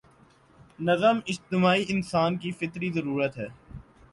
نظم اجتماعی انسان کی فطری ضرورت ہے۔